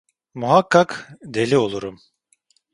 Muhakkak deli olurum…